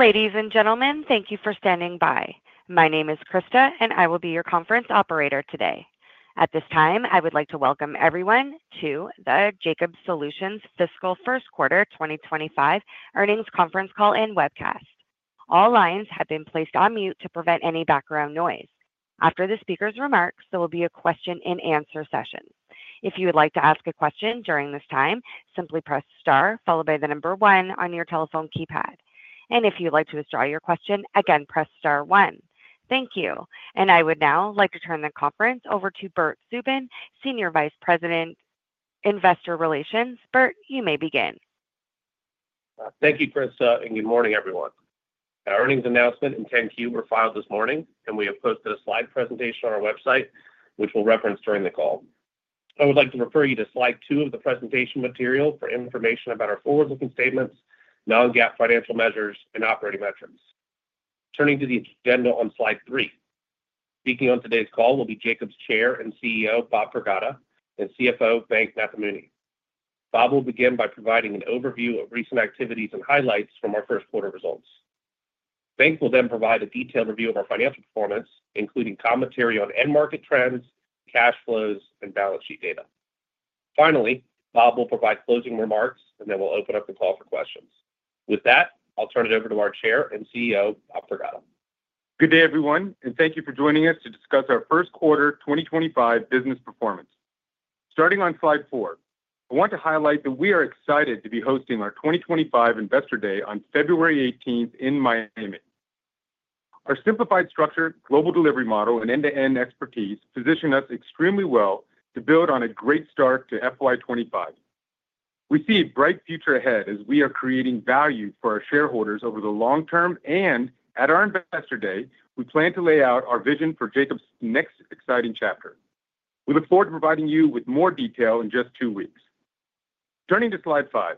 Ladies and gentlemen, thank you for standing by. My name is Krista, and I will be your conference operator today. At this time, I would like to welcome everyone to the Jacobs Solutions fiscal first quarter 2025 earnings conference call and webcast. All lines have been placed on mute to prevent any background noise. After the speaker's remarks, there will be a question-and-answer session. If you would like to ask a question during this time, simply press star followed by the number one on your telephone keypad. And if you'd like to withdraw your question, again, press star one. Thank you. And I would now like to turn the conference over to Bert Subin, Senior Vice President, Investor Relations. Bert, you may begin. Thank you, Krista, and good morning, everyone. Our earnings announcement and 10-Q were filed this morning, and we have posted a slide presentation on our website, which we'll reference during the call. I would like to refer you to slide two of the presentation material for information about our forward-looking statements, non-GAAP financial measures, and operating metrics. Turning to the agenda on slide three, speaking on today's call will be Jacobs Chair and CEO Bob Pragada and CFO Venk Nathamuni. Bob will begin by providing an overview of recent activities and highlights from our first quarter results. Venk will then provide a detailed review of our financial performance, including commentary on end market trends, cash flows, and balance sheet data. Finally, Bob will provide closing remarks, and then we'll open up the call for questions. With that, I'll turn it over to our Chair and CEO, Bob Pragada. Good day, everyone, and thank you for joining us to discuss our first quarter 2025 business performance. Starting on slide four, I want to highlight that we are excited to be hosting our 2025 Investor Day on February 18th in Miami. Our simplified structure, global delivery model, and end-to-end expertise position us extremely well to build on a great start to FY 2025. We see a bright future ahead as we are creating value for our shareholders over the long term, and at our Investor Day, we plan to lay out our vision for Jacobs' next exciting chapter. We look forward to providing you with more detail in just two weeks. Turning to slide five,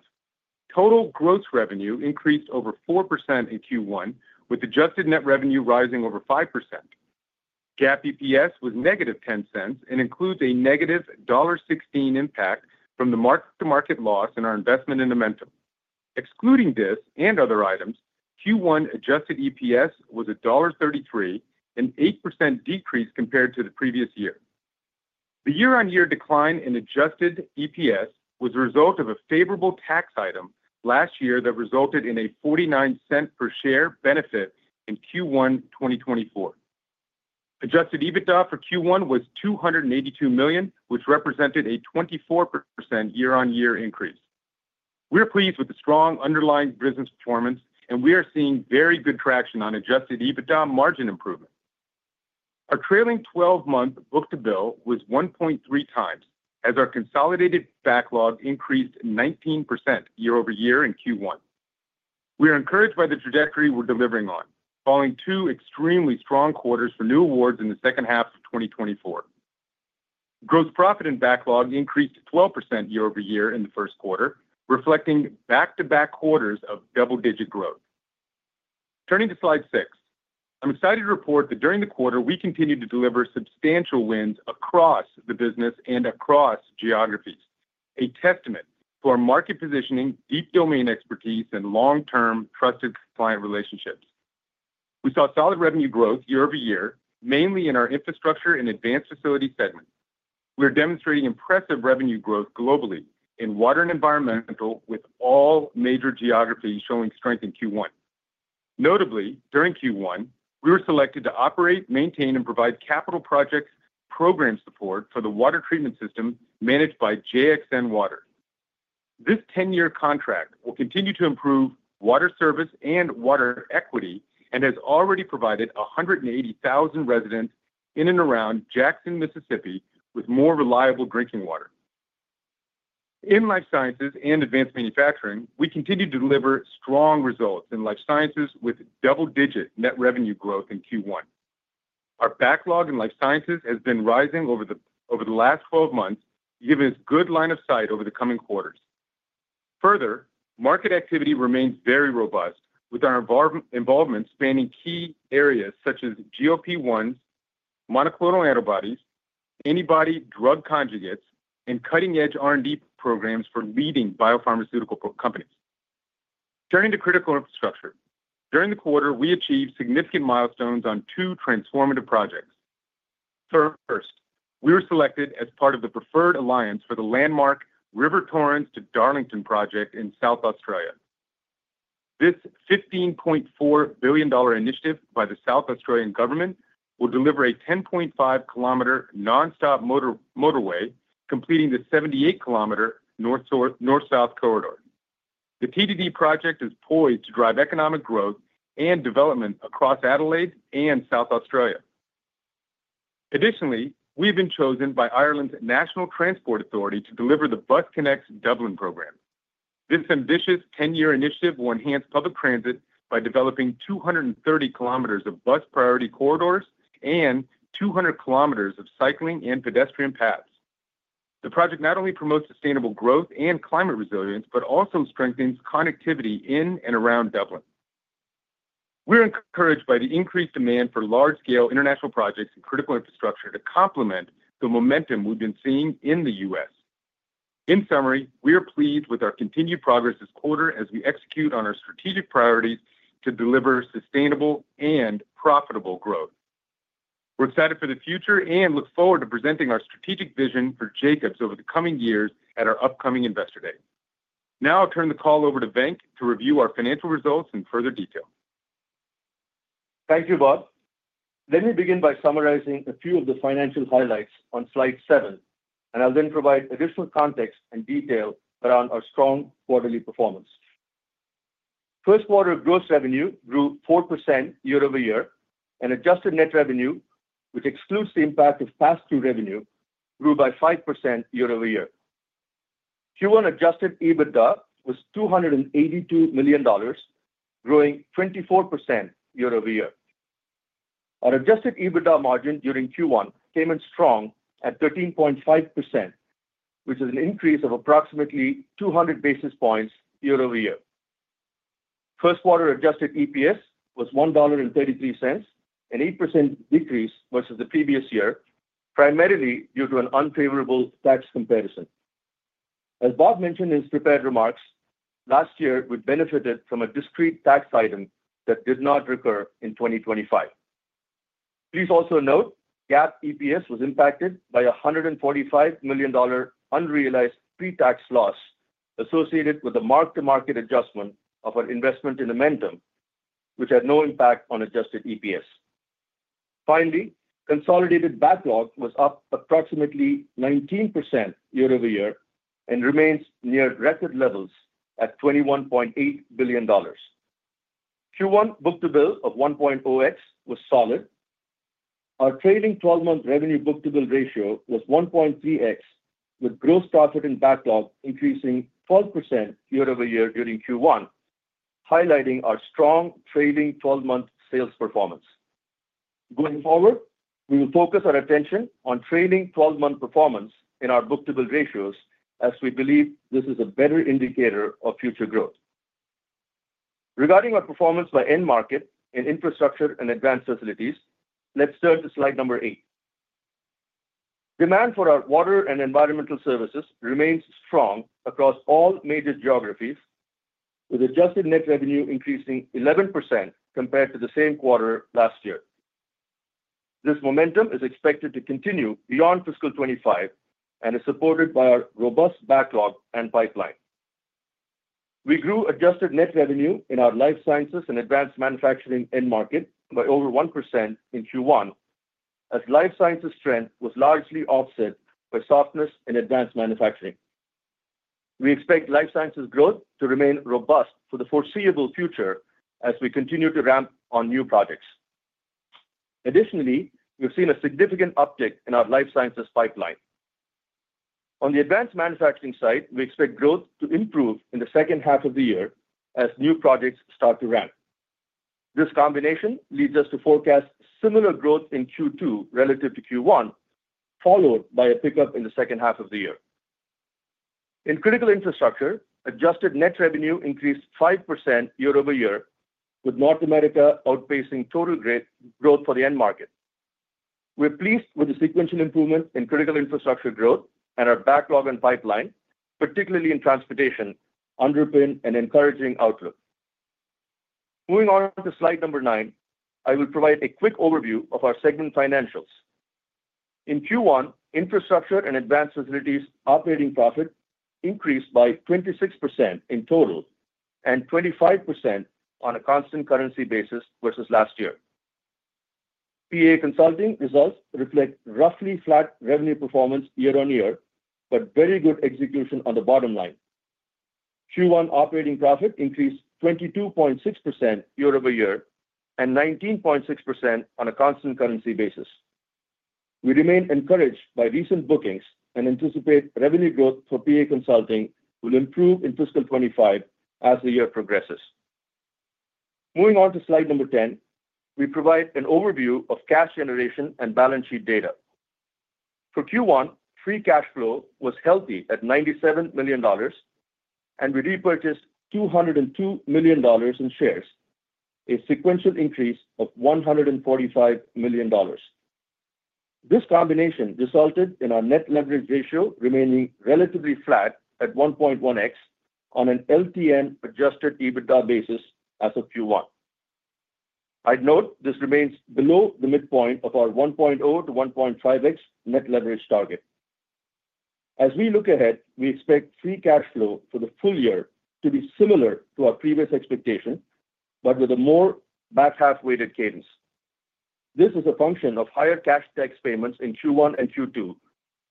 total gross revenue increased over 4% in Q1, with adjusted net revenue rising over 5%. GAAP EPS was -$0.10 and includes a -$1.16 impact from the mark-to-market loss in our investment in Amentum. Excluding this and other items, Q1 adjusted EPS was $1.33, an 8% decrease compared to the previous year. The year-on-year decline in adjusted EPS was the result of a favorable tax item last year that resulted in a $0.49 per share benefit in Q1 2024. Adjusted EBITDA for Q1 was $282 million, which represented a 24% year-on-year increase. We're pleased with the strong underlying business performance, and we are seeing very good traction on adjusted EBITDA margin improvement. Our trailing 12-month book-to-bill was 1.3x, as our consolidated backlog increased 19% year-over-year in Q1. We are encouraged by the trajectory we're delivering on, following two extremely strong quarters for new awards in the second half of 2024. Gross profit and backlog increased 12% year-over-year in the first quarter, reflecting back-to-back quarters of double-digit growth. Turning to slide six, I'm excited to report that during the quarter, we continued to deliver substantial wins across the business and across geographies, a testament to our market positioning, deep domain expertise, and long-term trusted client relationships. We saw solid revenue growth year-over-year, mainly in our Infrastructure and Advanced Facilities segment. We are demonstrating impressive revenue growth globally in Water and Environmental, with all major geographies showing strength in Q1. Notably, during Q1, we were selected to operate, maintain, and provide capital projects program support for the water treatment system managed by JXN Water. This 10-year contract will continue to improve water service and water equity and has already provided 180,000 residents in and around Jackson, Mississippi, with more reliable drinking water. In Life Sciences and Advanced Manufacturing, we continue to deliver strong results in Life Sciences with double-digit net revenue growth in Q1. Our backlog in Life Sciences has been rising over the last 12 months, giving us good line of sight over the coming quarters. Further, market activity remains very robust, with our involvement spanning key areas such as GLP-1s, monoclonal antibodies, antibody-drug conjugates, and cutting-edge R&D programs for leading biopharmaceutical companies. Turning to Critical Infrastructure, during the quarter, we achieved significant milestones on two transformative projects. First, we were selected as part of the preferred alliance for the landmark River Torrens to Darlington project in South Australia. This $15.4 billion initiative by the South Australian government will deliver a 10.5 km nonstop motorway, completing the 78 km north-south corridor. The T2D project is poised to drive economic growth and development across Adelaide and South Australia. Additionally, we have been chosen by Ireland's National Transport Authority to deliver the BusConnects Dublin program. This ambitious 10-year initiative will enhance public transit by developing 230 km of bus priority corridors and 200 km of cycling and pedestrian paths. The project not only promotes sustainable growth and climate resilience, but also strengthens connectivity in and around Dublin. We're encouraged by the increased demand for large-scale international projects and Critical Infrastructure to complement the momentum we've been seeing in the U.S. In summary, we are pleased with our continued progress this quarter as we execute on our strategic priorities to deliver sustainable and profitable growth. We're excited for the future and look forward to presenting our strategic vision for Jacobs over the coming years at our upcoming Investor Day. Now I'll turn the call over to Venk to review our financial results in further detail. Thank you, Bob. Let me begin by summarizing a few of the financial highlights on slide seven, and I'll then provide additional context and detail around our strong quarterly performance. First quarter gross revenue grew 4% year-over-year, and adjusted net revenue, which excludes the impact of past due revenue, grew by 5% year-over-year. Q1 adjusted EBITDA was $282 million, growing 24% year-over-year. Our adjusted EBITDA margin during Q1 came in strong at 13.5%, which is an increase of approximately 200 basis points year-over-year. First quarter adjusted EPS was $1.33, an 8% decrease versus the previous year, primarily due to an unfavorable tax comparison. As Bob mentioned in his prepared remarks, last year we benefited from a discrete tax item that did not recur in 2025. Please also note GAAP EPS was impacted by a $145 million unrealized pre-tax loss associated with the mark-to-market adjustment of our investment in Amentum, which had no impact on adjusted EPS. Finally, consolidated backlog was up approximately 19% year-over-year and remains near record levels at $21.8 billion. Q1 book-to-bill of 1.0x was solid. Our trailing 12-month revenue book-to-bill ratio was 1.3x, with gross profit and backlog increasing 12% year-over-year during Q1, highlighting our strong trailing 12-month sales performance. Going forward, we will focus our attention on trailing 12-month performance in our book-to-bill ratios, as we believe this is a better indicator of future growth. Regarding our performance by end market in Infrastructure and Advanced Facilities, let's turn to slide number eight. Demand for our Water and Environmental services remains strong across all major geographies, with adjusted net revenue increasing 11% compared to the same quarter last year. This momentum is expected to continue beyond fiscal 2025 and is supported by our robust backlog and pipeline. We grew adjusted net revenue in our Life Sciences and Advanced Manufacturing end market by over 1% in Q1, as Life Sciences strength was largely offset by softness in Advanced Manufacturing. We expect Life Sciences growth to remain robust for the foreseeable future as we continue to ramp on new projects. Additionally, we've seen a significant uptick in our Life Sciences pipeline. On the Advanced Manufacturing side, we expect growth to improve in the second half of the year as new projects start to ramp. This combination leads us to forecast similar growth in Q2 relative to Q1, followed by a pickup in the second half of the year. In Critical Infrastructure, adjusted net revenue increased 5% year-over-year, with North America outpacing total growth for the end market. We're pleased with the sequential improvements in Critical Infrastructure growth and our backlog and pipeline, particularly in Transportation, underpin an encouraging outlook. Moving on to slide number nine, I will provide a quick overview of our segment financials. In Q1, Infrastructure and Advanced Facilities operating profit increased by 26% in total and 25% on a constant currency basis versus last year. PA Consulting results reflect roughly flat revenue performance year-on-year, but very good execution on the bottom line. Q1 operating profit increased 22.6% year-over-year and 19.6% on a constant currency basis. We remain encouraged by recent bookings and anticipate revenue growth for PA Consulting will improve in fiscal 2025 as the year progresses. Moving on to slide number 10, we provide an overview of cash generation and balance sheet data. For Q1, free cash flow was healthy at $97 million, and we repurchased $202 million in shares, a sequential increase of $145 million. This combination resulted in our net leverage ratio remaining relatively flat at 1.1x on an LTM adjusted EBITDA basis as of Q1. I'd note this remains below the midpoint of our 1.0x-1.5x net leverage target. As we look ahead, we expect free cash flow for the full year to be similar to our previous expectation, but with a more back-half-weighted cadence. This is a function of higher cash tax payments in Q1 and Q2,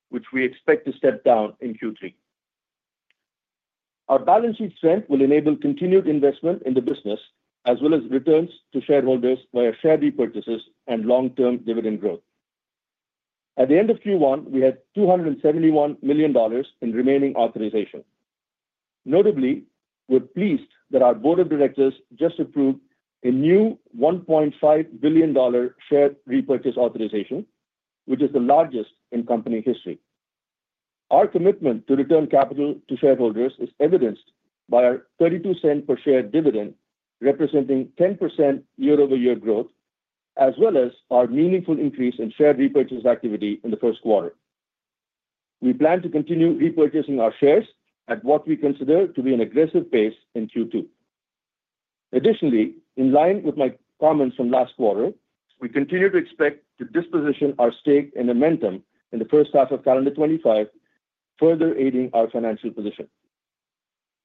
which we expect to step down in Q3. Our balance sheet strength will enable continued investment in the business, as well as returns to shareholders via share repurchases and long-term dividend growth. At the end of Q1, we had $271 million in remaining authorization. Notably, we're pleased that our Board of Directors just approved a new $1.5 billion share repurchase authorization, which is the largest in company history. Our commitment to return capital to shareholders is evidenced by our $0.32 per share dividend, representing 10% year-over-year growth, as well as our meaningful increase in share repurchase activity in the first quarter. We plan to continue repurchasing our shares at what we consider to be an aggressive pace in Q2. Additionally, in line with my comments from last quarter, we continue to expect to disposition our stake in Amentum in the first half of calendar 2025, further aiding our financial position.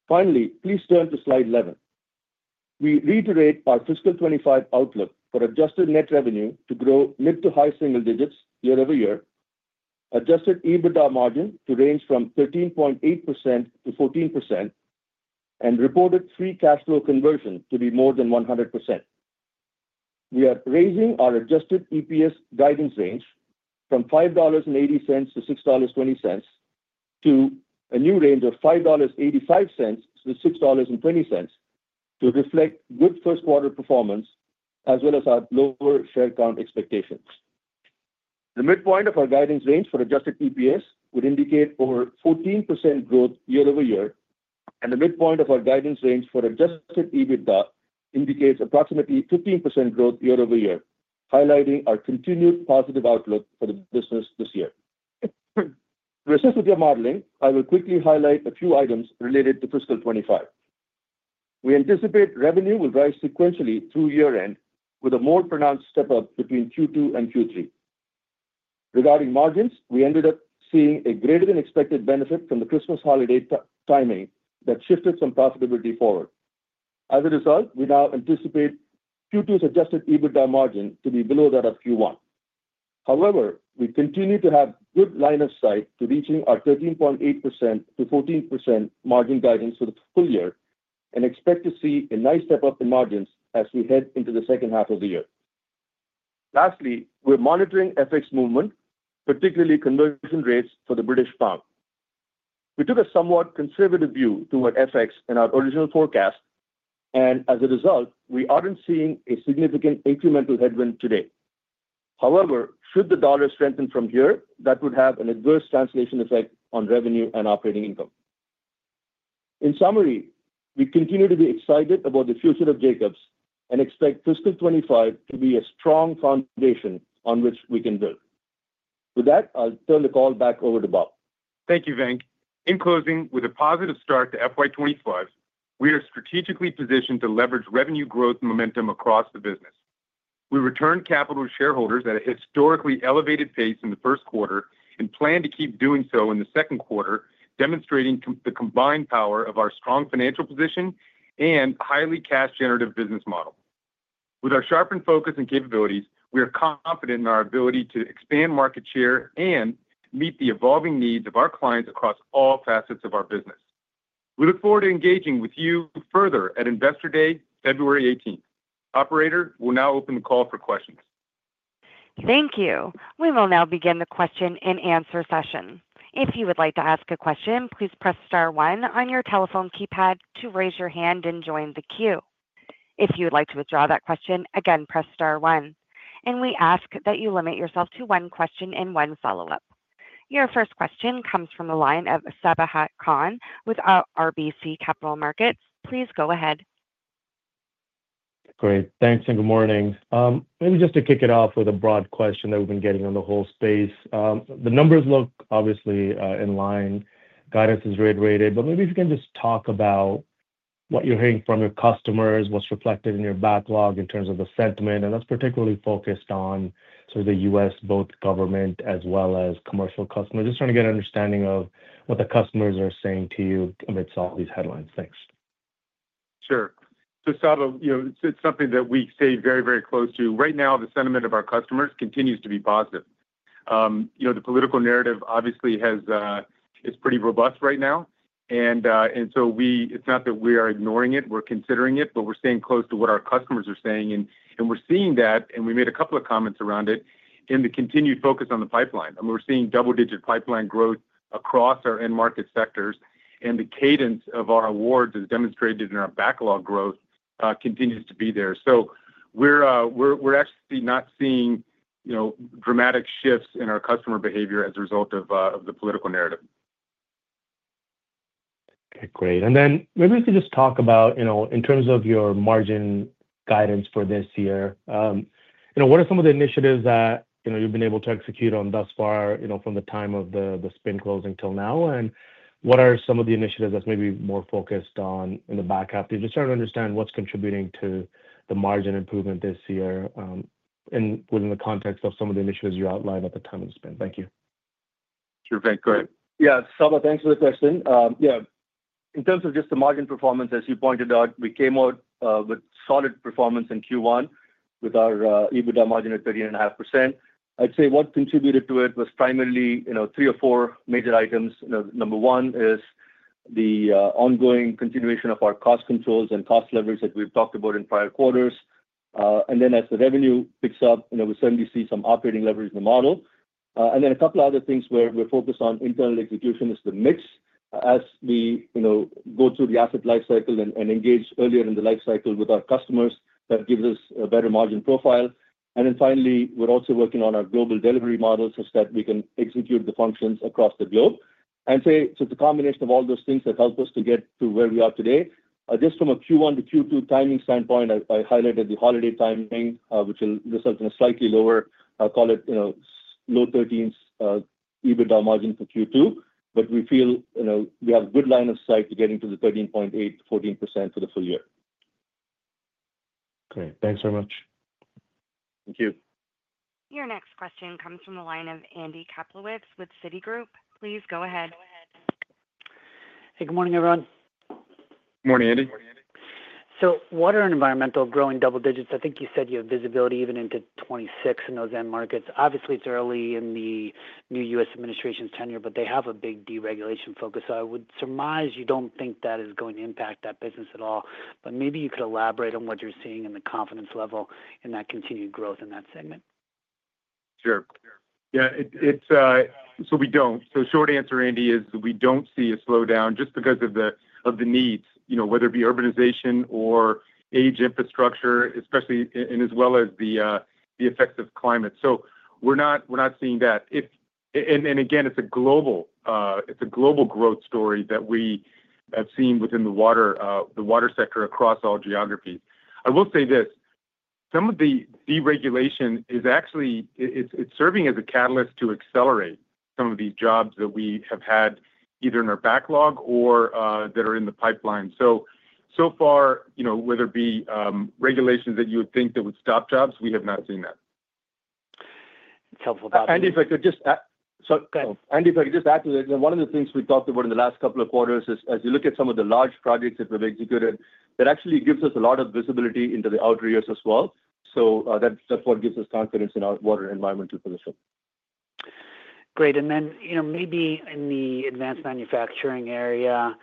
Finally, please turn to slide 11. We reiterate our fiscal 2025 outlook for adjusted net revenue to grow mid to high single digits year-over-year, adjusted EBITDA margin to range from 13.8%-14%, and reported free cash flow conversion to be more than 100%. We are raising our adjusted EPS guidance range from $5.80-$6.20 to a new range of $5.85-$6.20 to reflect good first quarter performance, as well as our lower share count expectations. The midpoint of our guidance range for adjusted EPS would indicate over 14% growth year-over-year, and the midpoint of our guidance range for adjusted EBITDA indicates approximately 15% growth year-over-year, highlighting our continued positive outlook for the business this year. To assist with your modeling, I will quickly highlight a few items related to fiscal 2025. We anticipate revenue will rise sequentially through year-end, with a more pronounced step-up between Q2 and Q3. Regarding margins, we ended up seeing a greater-than-expected benefit from the Christmas holiday timing that shifted some profitability forward. As a result, we now anticipate Q2's Adjusted EBITDA margin to be below that of Q1. However, we continue to have good line of sight to reaching our 13.8%-14% margin guidance for the full year and expect to see a nice step-up in margins as we head into the second half of the year. Lastly, we're monitoring FX movement, particularly conversion rates for the British pound. We took a somewhat conservative view toward FX in our original forecast, and as a result, we aren't seeing a significant incremental headwind today. However, should the dollar strengthen from here, that would have an adverse translation effect on revenue and operating income. In summary, we continue to be excited about the future of Jacobs and expect fiscal 2025 to be a strong foundation on which we can build. With that, I'll turn the call back over to Bob. Thank you, Venk. In closing, with a positive start to FY 2025, we are strategically positioned to leverage revenue growth momentum across the business. We returned capital to shareholders at a historically elevated pace in the first quarter and plan to keep doing so in the second quarter, demonstrating the combined power of our strong financial position and highly cash-generative business model. With our sharpened focus and capabilities, we are confident in our ability to expand market share and meet the evolving needs of our clients across all facets of our business. We look forward to engaging with you further at Investor Day, February 18th. Operator will now open the call for questions. Thank you. We will now begin the question and answer session. If you would like to ask a question, please press star one on your telephone keypad to raise your hand and join the queue. If you would like to withdraw that question, again, press star one. And we ask that you limit yourself to one question and one follow-up. Your first question comes from the line of Sabahat Khan with RBC Capital Markets. Please go ahead. Great. Thanks and good morning. Maybe just to kick it off with a broad question that we've been getting on the whole space. The numbers look obviously in line. Guidance is reiterated, but maybe if you can just talk about what you're hearing from your customers, what's reflected in your backlog in terms of the sentiment, and that's particularly focused on sort of the U.S. both government as well as commercial customers. Just trying to get an understanding of what the customers are saying to you amidst all these headlines. Thanks. Sure. So Saba, it's something that we stay very, very close to. Right now, the sentiment of our customers continues to be positive. The political narrative obviously is pretty robust right now. And so it's not that we are ignoring it. We're considering it, but we're staying close to what our customers are saying. And we're seeing that, and we made a couple of comments around it, in the continued focus on the pipeline. I mean, we're seeing double-digit pipeline growth across our end market sectors, and the cadence of our awards as demonstrated in our backlog growth continues to be there. So we're actually not seeing dramatic shifts in our customer behavior as a result of the political narrative. Okay. Great. And then maybe we could just talk about, in terms of your margin guidance for this year, what are some of the initiatives that you've been able to execute on thus far from the time of the spin closing till now? And what are some of the initiatives that's maybe more focused on in the back half? Just trying to understand what's contributing to the margin improvement this year within the context of some of the initiatives you outlined at the time of the spin. Thank you. Sure. Thanks. Go ahead. Yeah. Saba, thanks for the question. Yeah. In terms of just the margin performance, as you pointed out, we came out with solid performance in Q1 with our EBITDA margin at 30.5%. I'd say what contributed to it was primarily three or four major items. Number one is the ongoing continuation of our cost controls and cost leverage that we've talked about in prior quarters. And then as the revenue picks up, we certainly see some operating leverage in the model. And then a couple of other things where we're focused on internal execution is the mix. As we go through the asset lifecycle and engage earlier in the lifecycle with our customers, that gives us a better margin profile. And then finally, we're also working on our global delivery model such that we can execute the functions across the globe. And so it's a combination of all those things that help us to get to where we are today. Just from a Q1 to Q2 timing standpoint, I highlighted the holiday timing, which will result in a slightly lower, I'll call it low 13s EBITDA margin for Q2, but we feel we have a good line of sight to getting to the 13.8%-14% for the full year. Great. Thanks very much. Thank you. Your next question comes from the line of Andy Kaplowitz with Citigroup. Please go ahead. Hey, good morning, everyone. Good morning, Andy. So what are Environmental growing double digits? I think you said you have visibility even into 2026 in those end markets. Obviously, it's early in the new U.S. administration's tenure, but they have a big deregulation focus. So I would surmise you don't think that is going to impact that business at all, but maybe you could elaborate on what you're seeing in the confidence level in that continued growth in that segment. Sure. Yeah. So we don't. So, short answer, Andy, is we don't see a slowdown just because of the needs, whether it be urbanization or aged infrastructure, especially as well as the effects of climate. So we're not seeing that. And again, it's a global growth story that we have seen within the water sector across all geographies. I will say this: some of the deregulation is actually serving as a catalyst to accelerate some of these jobs that we have had either in our backlog or that are in the pipeline. So far, whether it be regulations that you would think that would stop jobs, we have not seen that. It's helpful, Bob. Andy, if I could just, sorry. Go ahead. Andy, if I could just add to that, one of the things we talked about in the last couple of quarters is, as you look at some of the large projects that we've executed, that actually gives us a lot of visibility into the outer years as well. So that's what gives us confidence in our Water and Environmental position. Great. And then maybe in the Advanced Manufacturing area,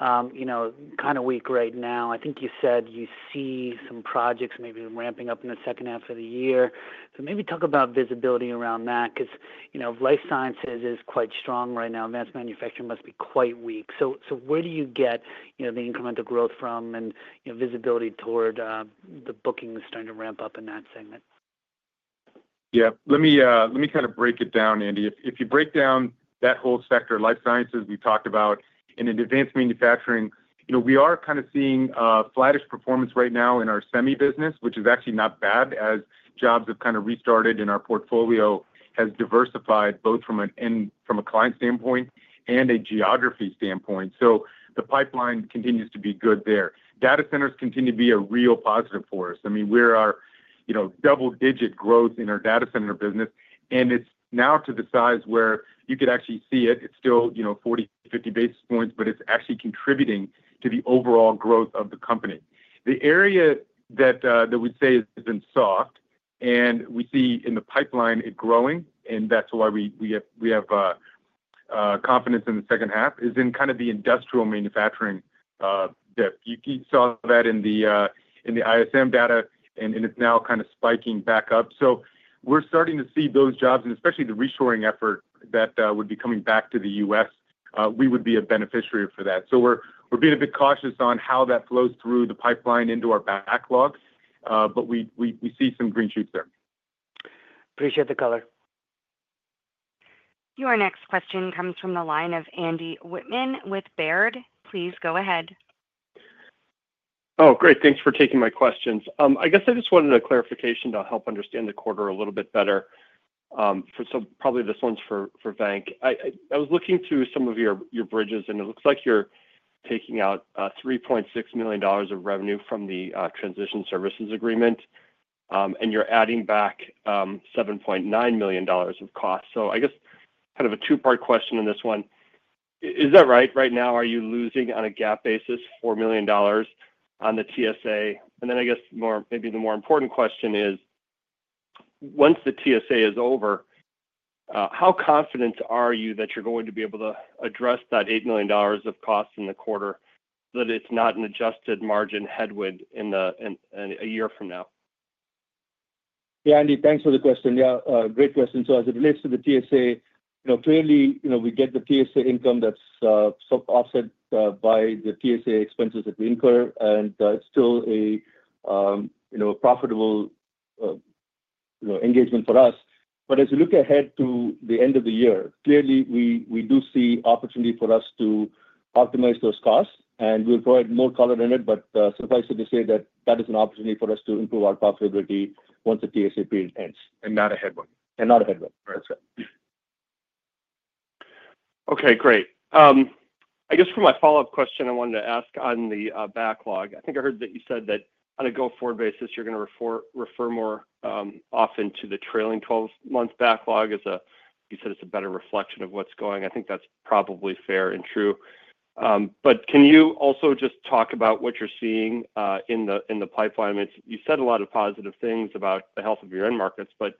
kind of weak right now. I think you said you see some projects maybe ramping up in the second half of the year. So maybe talk about visibility around that because Life Sciences is quite strong right now. Advanced Manufacturing must be quite weak. So where do you get the incremental growth from and visibility toward the bookings starting to ramp up in that segment? Yeah. Let me kind of break it down, Andy. If you break down that whole sector, Life Sciences we talked about, and in Advanced Manufacturing, we are kind of seeing a flattish performance right now in our semi business, which is actually not bad as jobs have kind of restarted in our portfolio, has diversified both from a client standpoint and a geography standpoint. So the pipeline continues to be good there. Data centers continue to be a real positive for us. I mean, we're at double-digit growth in our data center business, and it's now to the size where you could actually see it. It's still 40-50 basis points, but it's actually contributing to the overall growth of the company. The area that we'd say has been soft, and we see in the pipeline it growing, and that's why we have confidence in the second half, is in kind of the industrial manufacturing depth. You saw that in the ISM data, and it's now kind of spiking back up. So we're starting to see those jobs, and especially the reshoring effort that would be coming back to the U.S., we would be a beneficiary for that. So we're being a bit cautious on how that flows through the pipeline into our backlog, but we see some green shoots there. Appreciate the color. Your next question comes from the line of Andy Whitman with Baird. Please go ahead. Oh, great. Thanks for taking my questions. I guess I just wanted a clarification to help understand the quarter a little bit better. So probably this one's for Venk. I was looking through some of your bridges, and it looks like you're taking out $3.6 million of revenue from the Transition Services Agreement, and you're adding back $7.9 million of costs. So I guess kind of a two-part question in this one. Is that right? Right now, are you losing on a GAAP basis $4 million on the TSA? And then I guess maybe the more important question is, once the TSA is over, how confident are you that you're going to be able to address that $8 million of costs in the quarter that it's not an adjusted margin headwind in a year from now? Yeah, Andy, thanks for the question. Yeah, great question. So as it relates to the TSA, clearly we get the TSA income that's offset by the TSA expenses that we incur, and it's still a profitable engagement for us. But as we look ahead to the end of the year, clearly we do see opportunity for us to optimize those costs, and we'll provide more color in it, but suffice it to say that that is an opportunity for us to improve our profitability once the TSA period ends. Not a headwind. Not a headwind. Right. That's it. Okay. Great. I guess for my follow-up question, I wanted to ask on the backlog. I think I heard that you said that on a go-forward basis, you're going to refer more often to the trailing 12-month backlog as you said it's a better reflection of what's going. I think that's probably fair and true. But can you also just talk about what you're seeing in the pipeline? I mean, you said a lot of positive things about the health of your end markets, but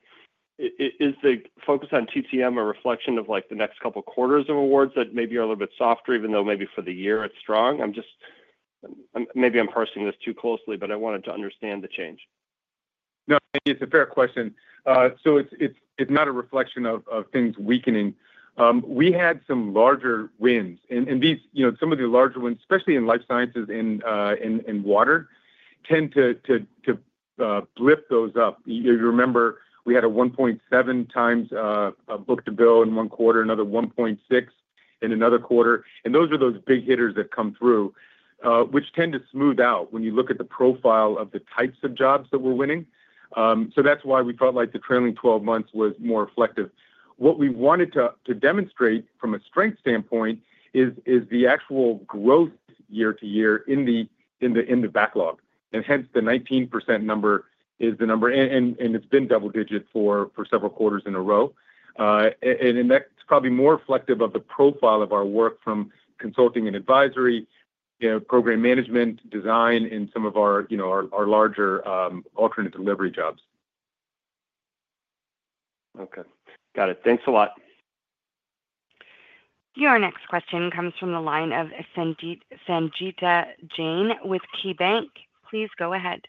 is the focus on TTM a reflection of the next couple of quarters of awards that maybe are a little bit softer, even though maybe for the year it's strong? Maybe I'm parsing this too closely, but I wanted to understand the change. No, Andy, it's a fair question. So it's not a reflection of things weakening. We had some larger wins, and some of the larger wins, especially in Life Sciences and Water, tend to blip those up. You remember we had a 1.7x book-to-bill in one quarter, another 1.6x in another quarter, and those are those big hitters that come through, which tend to smooth out when you look at the profile of the types of jobs that we're winning. So that's why we felt like the trailing 12 months was more reflective. What we wanted to demonstrate from a strength standpoint is the actual growth year to year in the backlog. And hence, the 19% number is the number, and it's been double-digit for several quarters in a row. That's probably more reflective of the profile of our work from consulting and advisory, program management, design, and some of our larger alternate delivery jobs. Okay. Got it. Thanks a lot. Your next question comes from the line of Sangita Jain with KeyBanc. Please go ahead.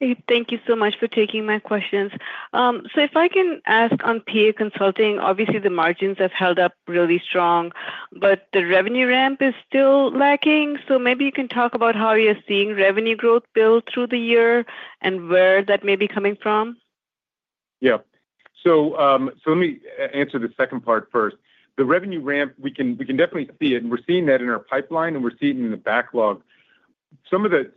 Hey, thank you so much for taking my questions. So if I can ask on PA Consulting, obviously the margins have held up really strong, but the revenue ramp is still lacking. So maybe you can talk about how you're seeing revenue growth build through the year and where that may be coming from? Yeah. So let me answer the second part first. The revenue ramp, we can definitely see it, and we're seeing that in our pipeline, and we're seeing it in the backlog. Some of the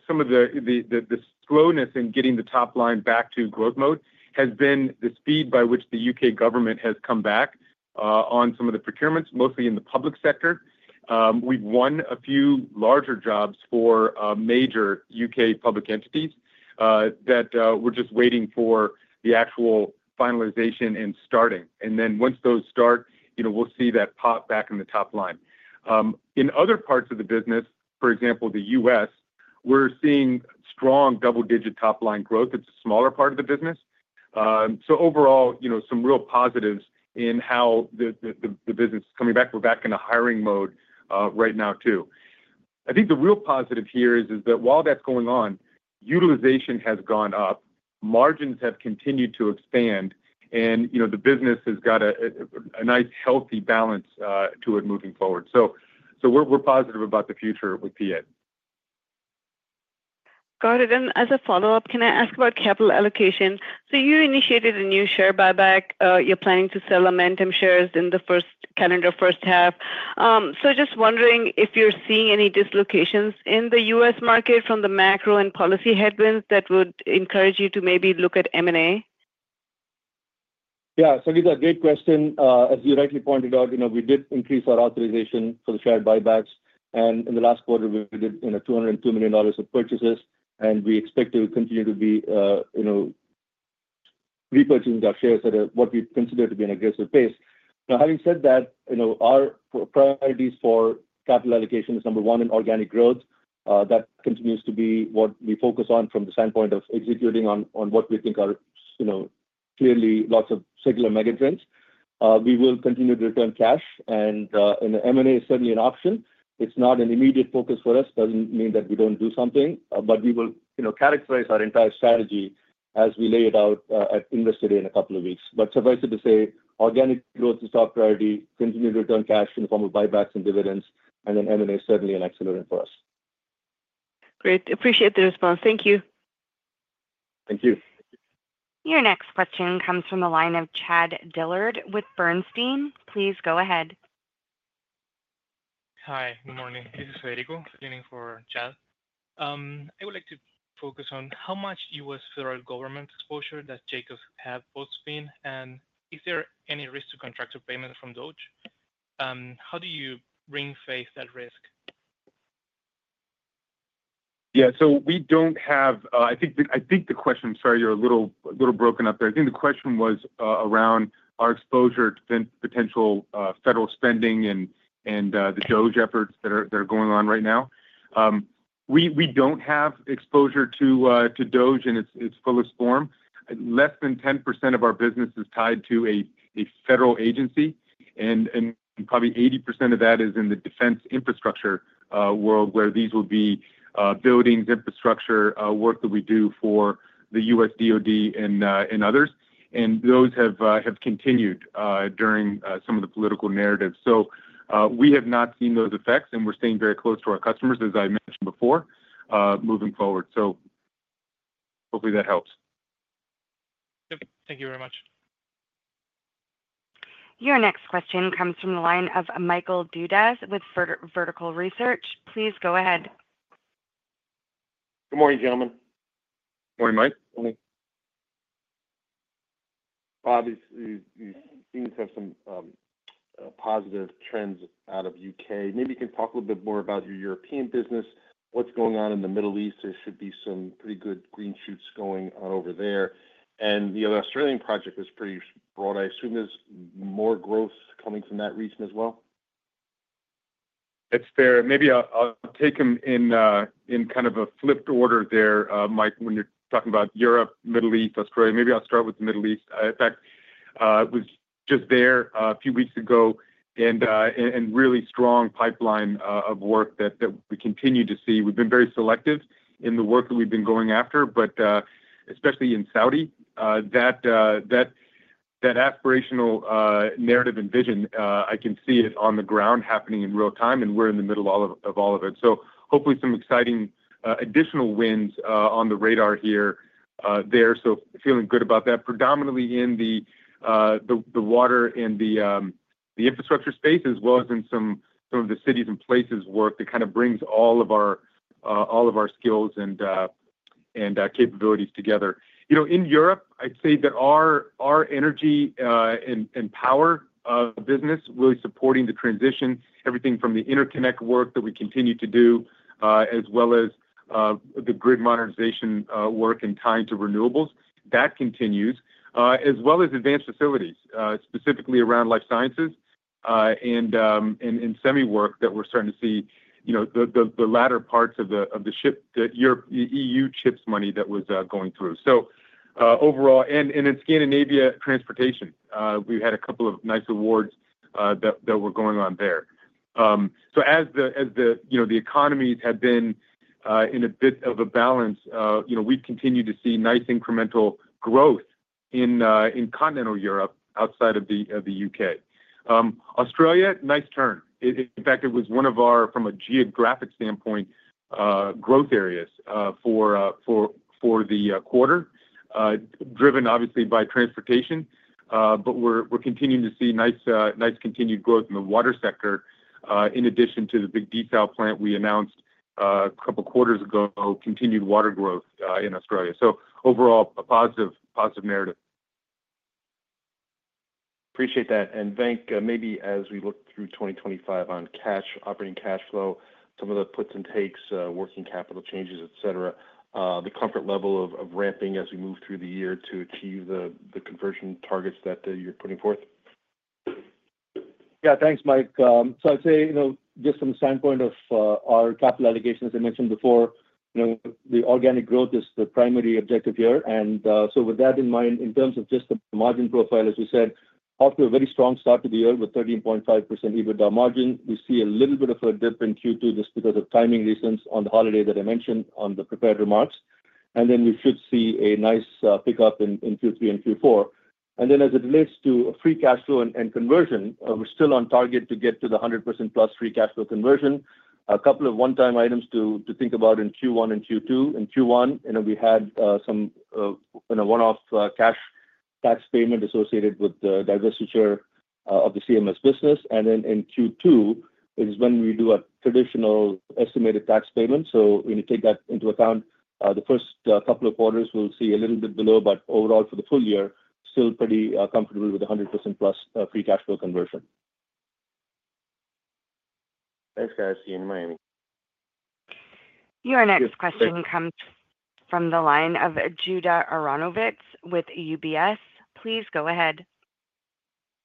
slowness in getting the top line back to growth mode has been the speed by which the U.K. government has come back on some of the procurements, mostly in the public sector. We've won a few larger jobs for major U.K. public entities that we're just waiting for the actual finalization and starting. And then once those start, we'll see that pop back in the top line. In other parts of the business, for example, the U.S., we're seeing strong double-digit top line growth. It's a smaller part of the business. So overall, some real positives in how the business is coming back. We're back in a hiring mode right now too. I think the real positive here is that while that's going on, utilization has gone up, margins have continued to expand, and the business has got a nice healthy balance to it moving forward. So we're positive about the future with PA. Got it. And as a follow-up, can I ask about capital allocation? So you initiated a new share buyback. You're planning to sell Amentum shares in the first calendar first half. So just wondering if you're seeing any dislocations in the U.S. market from the macro and policy headwinds that would encourage you to maybe look at M&A? Yeah, so again, a great question. As you rightly pointed out, we did increase our authorization for the share buybacks, and in the last quarter, we did $202 million of purchases, and we expect to continue to be repurchasing our shares at what we consider to be an aggressive pace. Now, having said that, our priorities for capital allocation is number one in organic growth. That continues to be what we focus on from the standpoint of executing on what we think are clearly lots of secular megatrends. We will continue to return cash, and M&A is certainly an option. It's not an immediate focus for us. It doesn't mean that we don't do something, but we will characterize our entire strategy as we lay it out at Investor Day in a couple of weeks. But suffice it to say, organic growth is top priority, continue to return cash in the form of buybacks and dividends, and then M&A is certainly an accelerant for us. Great. Appreciate the response. Thank you. Thank you. Your next question comes from the line of Chad Dillard with Bernstein. Please go ahead. Hi, good morning. This is Federico joining for Chad. I would like to focus on how much U.S. federal government exposure does Jacobs have post-Spin, and is there any risk to contractor payment from DOGE? How do you face that risk? Yeah. So we don't have. I think the question. I'm sorry, you're a little broken up there. I think the question was around our exposure to potential federal spending and the DOGE efforts that are going on right now. We don't have exposure to DOGE in its fullest form. Less than 10% of our business is tied to a federal agency, and probably 80% of that is in the defense infrastructure world, where these would be buildings, infrastructure, work that we do for the U.S. DoD and others. And those have continued during some of the political narrative. So we have not seen those effects, and we're staying very close to our customers, as I mentioned before, moving forward. So hopefully that helps. Thank you very much. Your next question comes from the line of Michael Dudas with Vertical Research. Please go ahead. Good morning, gentlemen. Morning, Mike. Morning. Bob, you seem to have some positive trends out of U.K. Maybe you can talk a little bit more about your European business. What's going on in the Middle East? There should be some pretty good green shoots going on over there, and the Australian project is pretty broad. I assume there's more growth coming from that region as well? That's fair. Maybe I'll take them in kind of a flipped order there, Mike, when you're talking about Europe, Middle East, Australia. Maybe I'll start with the Middle East. In fact, it was just there a few weeks ago, and really strong pipeline of work that we continue to see. We've been very selective in the work that we've been going after, but especially in Saudi, that aspirational narrative and vision, I can see it on the ground happening in real time, and we're in the middle of all of it, so hopefully some exciting additional wins on the radar here there, so feeling good about that, predominantly in the Water and the Infrastructure space, as well as in some of the Cities and Places work that kind of brings all of our skills and capabilities together. In Europe, I'd say that our energy and power business really supporting the transition, everything from the interconnect work that we continue to do, as well as the grid modernization work and tying to renewables, that continues, as well as Advanced Facilities, specifically around Life Sciences and semi work that we're starting to see the latter parts of the EU Chips money that was going through. So overall, and in Scandinavia, Transportation. We had a couple of nice awards that were going on there. So as the economies have been in a bit of a balance, we've continued to see nice incremental growth in continental Europe outside of the U.K. Australia, nice turn. In fact, it was one of our, from a geographic standpoint, growth areas for the quarter, driven obviously by Transportation, but we're continuing to see nice continued growth in the Water sector in addition to the big desal plant we announced a couple of quarters ago, continued Water growth in Australia. So overall, a positive narrative. Appreciate that. And Venk, maybe as we look through 2025 on operating cash flow, some of the puts and takes, working capital changes, etc., the comfort level of ramping as we move through the year to achieve the conversion targets that you're putting forth? Yeah, thanks, Mike. I'd say just from the standpoint of our capital allocation, as I mentioned before, the organic growth is the primary objective here. With that in mind, in terms of just the margin profile, as we said, after a very strong start to the year with 13.5% EBITDA margin, we see a little bit of a dip in Q2 just because of timing reasons on the holiday that I mentioned on the prepared remarks. Then we should see a nice pickup in Q3 and Q4. As it relates to free cash flow and conversion, we're still on target to get to the 100%+ free cash flow conversion. A couple of one-time items to think about in Q1 and Q2. In Q1, we had some one-off cash tax payment associated with the divestiture of the CMS business. In Q2, it is when we do a traditional estimated tax payment. When you take that into account, the first couple of quarters, we'll see a little bit below, but overall for the full year, still pretty comfortable with 100%+ free cash flow conversion. Thanks, guys. See you in Miami. Your next question comes from the line of Judah Aronovitz with UBS. Please go ahead.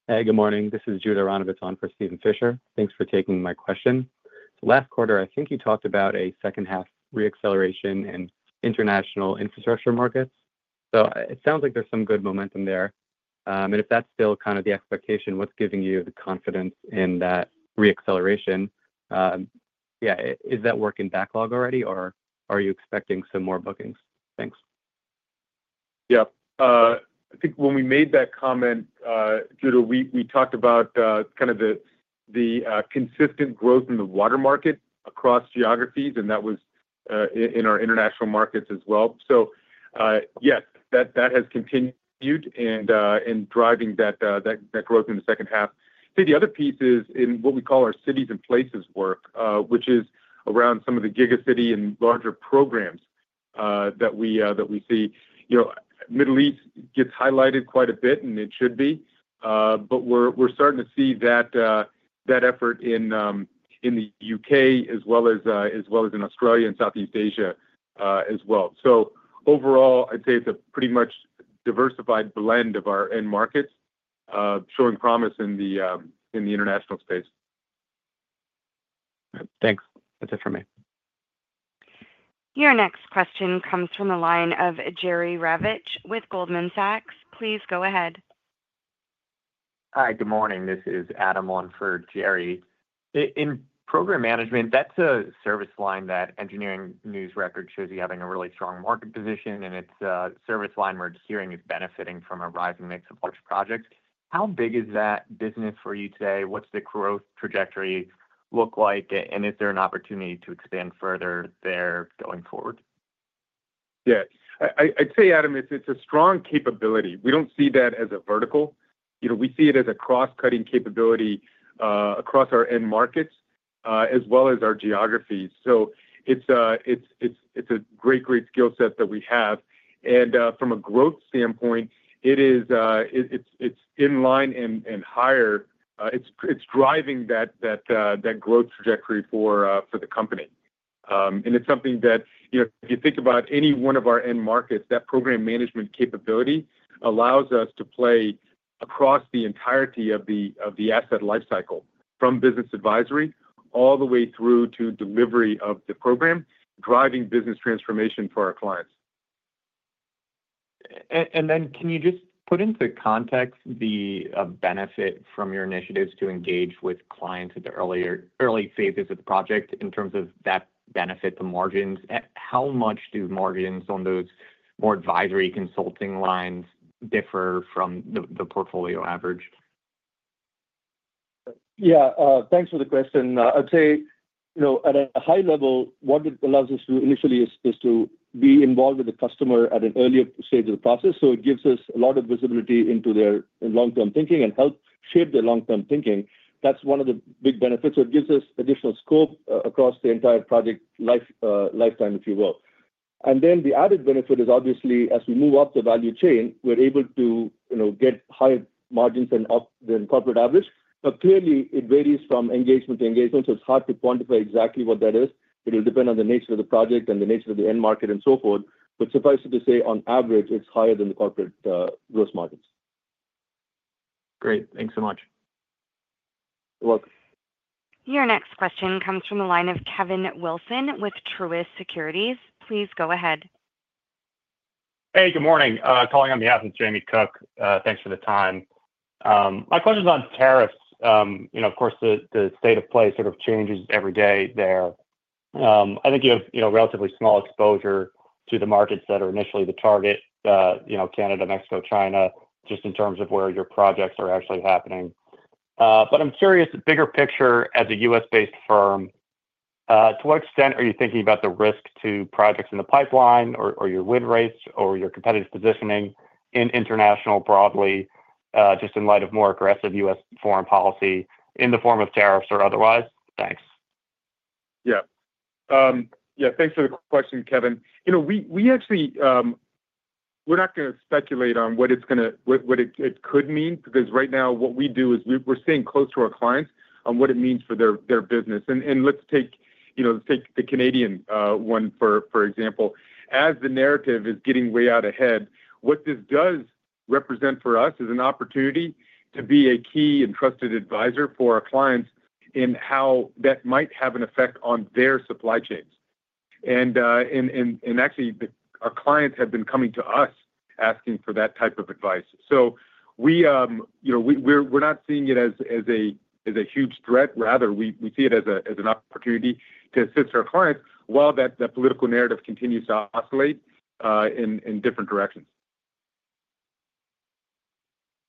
Hey, good morning. This is Judah Aronovitz on for Steven Fisher. Thanks for taking my question. Last quarter, I think you talked about a second-half reacceleration in international infrastructure markets. So it sounds like there's some good momentum there. And if that's still kind of the expectation, what's giving you the confidence in that reacceleration? Yeah. Is that work in backlog already, or are you expecting some more bookings? Thanks. Yeah. I think when we made that comment, Judah, we talked about kind of the consistent growth in the Water market across geographies, and that was in our international markets as well. So yes, that has continued in driving that growth in the second half. I think the other piece is in what we call our Cities and Places work, which is around some of the giga-city and larger programs that we see. Middle East gets highlighted quite a bit, and it should be, but we're starting to see that effort in the U.K. as well as in Australia and Southeast Asia as well. So overall, I'd say it's a pretty much diversified blend of our end markets showing promise in the international space. Thanks. That's it for me. Your next question comes from the line of Jerry Revich with Goldman Sachs. Please go ahead. Hi, good morning. This is Adam on for Jerry. In program management, that's a service line that Engineering News-Record shows you having a really strong market position, and it's a service line where the industry is benefiting from a rising mix of large projects. How big is that business for you today? What's the growth trajectory look like, and is there an opportunity to expand further there going forward? Yeah. I'd say, Adam, it's a strong capability. We don't see that as a vertical. We see it as a cross-cutting capability across our end markets as well as our geographies. So it's a great, great skill set that we have. And from a growth standpoint, it's in line and higher. It's driving that growth trajectory for the company. And it's something that if you think about any one of our end markets, that program management capability allows us to play across the entirety of the asset lifecycle from business advisory all the way through to delivery of the program, driving business transformation for our clients. And then can you just put into context the benefit from your initiatives to engage with clients at the early phases of the project in terms of that benefit to margins? How much do margins on those more advisory consulting lines differ from the portfolio average? Yeah. Thanks for the question. I'd say at a high level, what it allows us to initially is to be involved with the customer at an earlier stage of the process. So it gives us a lot of visibility into their long-term thinking and help shape their long-term thinking. That's one of the big benefits. So it gives us additional scope across the entire project lifetime, if you will. And then the added benefit is obviously as we move up the value chain, we're able to get higher margins than corporate average. But clearly, it varies from engagement to engagement, so it's hard to quantify exactly what that is. It will depend on the nature of the project and the nature of the end market and so forth. But suffice it to say, on average, it's higher than the corporate gross margins. Great. Thanks so much. You're welcome. Your next question comes from the line of Kevin Wilson with Truist Securities. Please go ahead. Hey, good morning. Calling on behalf of Jamie Cook. Thanks for the time. My question is on tariffs. Of course, the state of play sort of changes every day there. I think you have relatively small exposure to the markets that are initially the target, Canada, Mexico, China, just in terms of where your projects are actually happening. But I'm curious, the bigger picture as a U.S.-based firm, to what extent are you thinking about the risk to projects in the pipeline or your win rates or your competitive positioning in international broadly, just in light of more aggressive U.S. foreign policy in the form of tariffs or otherwise? Thanks. Yeah. Yeah. Thanks for the question, Kevin. We're not going to speculate on what it could mean because right now what we do is we're staying close to our clients on what it means for their business. And let's take the Canadian one for example. As the narrative is getting way out ahead, what this does represent for us is an opportunity to be a key and trusted advisor for our clients in how that might have an effect on their supply chains. And actually, our clients have been coming to us asking for that type of advice. So we're not seeing it as a huge threat. Rather, we see it as an opportunity to assist our clients while that political narrative continues to oscillate in different directions.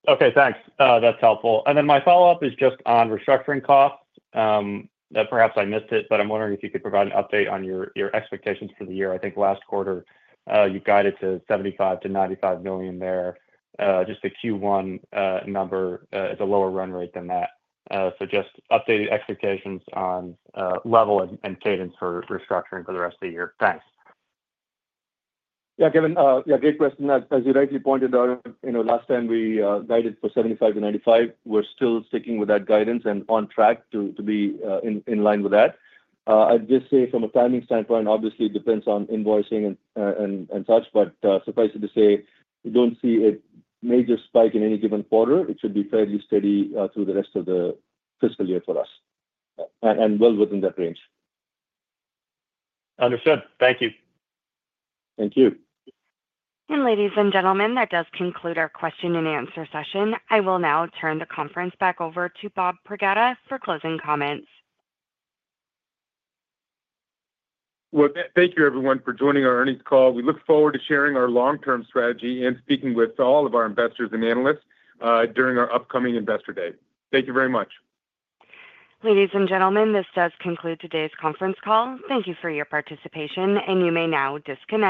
Okay. Thanks. That's helpful. And then my follow-up is just on restructuring costs. Perhaps I missed it, but I'm wondering if you could provide an update on your expectations for the year. I think last quarter, you guided to $75 million-$95 million there. Just the Q1 number is a lower run rate than that. So just updated expectations on level and cadence for restructuring for the rest of the year. Thanks. Yeah, Kevin. Yeah, great question. As you rightly pointed out, last time we guided for $75 million-$95 million, we're still sticking with that guidance and on track to be in line with that. I'd just say from a timing standpoint, obviously, it depends on invoicing and such, but suffice it to say, we don't see a major spike in any given quarter. It should be fairly steady through the rest of the fiscal year for us and well within that range. Understood. Thank you. Thank you. Ladies and gentlemen, that does conclude our question and answer session. I will now turn the conference back over to Bob Pragada for closing comments. Thank you, everyone, for joining our earnings call. We look forward to sharing our long-term strategy and speaking with all of our investors and analysts during our upcoming Investor Day. Thank you very much. Ladies and gentlemen, this does conclude today's conference call. Thank you for your participation, and you may now disconnect.